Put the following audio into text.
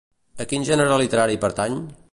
A quin gènere literari pertany?